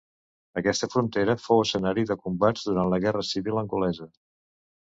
Aquesta frontera fou escenari de combats durant la Guerra Civil angolesa.